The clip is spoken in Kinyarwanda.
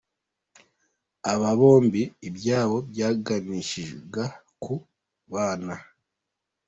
Aba bombi ibyabo byaganishaga ku kubana.